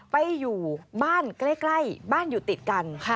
ไปอยู่บ้านใกล้บ้านอยู่ติดกัน